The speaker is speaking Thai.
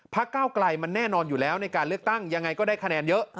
ก้าวไกลมันแน่นอนอยู่แล้วในการเลือกตั้งยังไงก็ได้คะแนนเยอะ